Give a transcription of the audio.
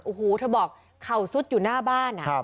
โอ้โหเธอบอกเข่าซุดอยู่หน้าบ้าน